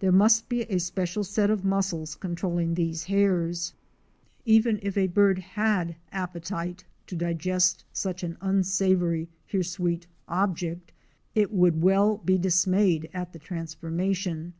There must be a special set of muscles controlling these hairs. Even if a bird had appetite 192 OUR SEARCH FOR A WILDERNESS. to digest such an unsavory hirsute object, it would well be dismayed at the transformation.